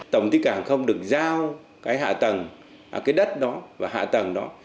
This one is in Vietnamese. tổng tích cảng không được giao cái hạ tầng cái đất đó và hạ tầng đó